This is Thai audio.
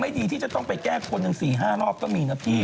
วันนี้นะจะบอกก็เขาเอาจริงนะพี่